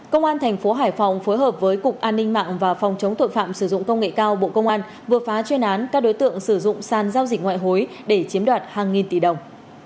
công an thành phố hải phòng phối hợp với cục an ninh mạng và phòng chống tội phạm sử dụng công nghệ cao bộ công an vừa phá chuyên án các đối tượng sử dụng sàn giao dịch ngoại hối để chiếm đoạt hàng nghìn tỷ đồng